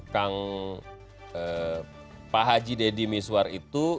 kang pak haji deddy miswar itu